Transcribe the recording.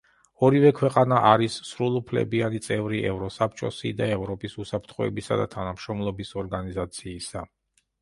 ორივე ქვეყანა არის სრულუფლებიანი წევრი ევროსაბჭოსი და ევროპის უსაფრთხოებისა და თანამშრომლობის ორგანიზაციისა.